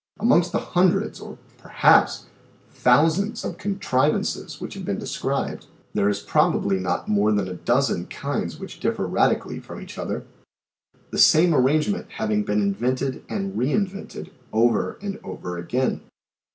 Amongst the hundreds, or, perhaps, thousands, of contrivances which have been de scribed, there is probably not more than a dozen kinds which differ radically from each other ; the same arrange ment having been invented and re invented over and over again.